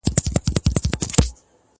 ته ولي لوښي وچوې،